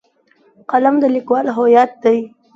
قلم د لیکوال هویت دی.